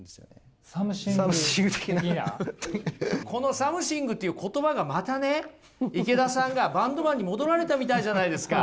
この「サムシング」って言葉がまたね池田さんがバンドマンに戻られたみたいじゃないですか。